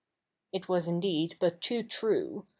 It was indeed but too true.